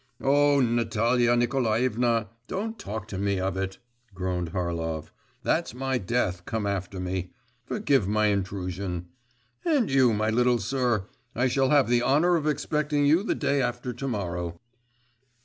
'O Natalia Nikolaevna, don't talk to me of it,' groaned Harlov. 'That's my death come after me. Forgive my intrusion. And you, my little sir, I shall have the honour of expecting you the day after to morrow.